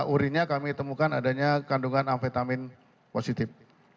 urinnya kami temukan adanya kandungan amfetamin positif